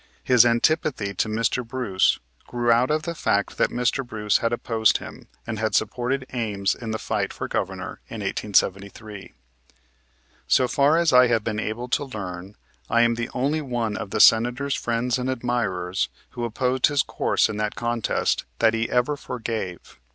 His antipathy to Mr. Bruce grew out of the fact that Mr. Bruce had opposed him and had supported Ames in the fight for Governor in 1873. So far as I have been able to learn, I am the only one of the Senator's friends and admirers who opposed his course in that contest that he ever forgave.